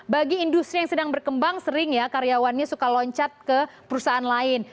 bagi industri yang sedang berkembang sering ya karyawannya suka loncat ke perusahaan lain